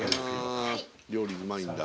料理うまいんだ。